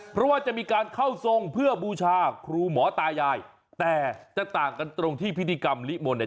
เพราะว่าจะมีการเข้าทรงเพื่อบูชาครูหมอตายายแต่จะต่างกันตรงที่พิธีกรรมลิมนต์เนี่ย